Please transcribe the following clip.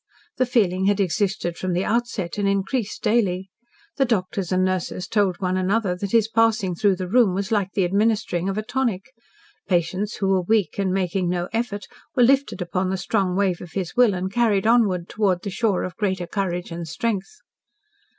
The feeling had existed from the outset and increased daily. The doctors and nurses told one another that his passing through the room was like the administering of a tonic. Patients who were weak and making no effort, were lifted upon the strong wave of his will and carried onward towards the shore of greater courage and strength.